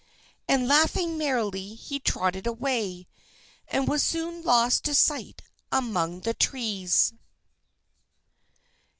And laughing merrily, he trotted away, and was soon lost to sight among the trees.